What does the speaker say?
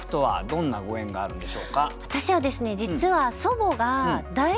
私はですね